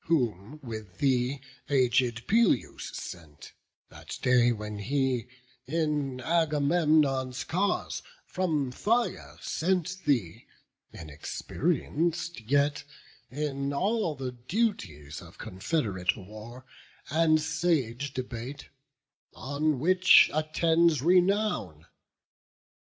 whom with thee aged Peleus sent, That day when he in Agamemnon's cause From Phthia sent thee, inexperienc'd yet In all the duties of confed'rate war, And sage debate, on which attends renown.